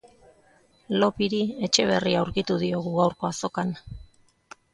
Lopiri etxe berria aurkitu diogu gaurko azokan.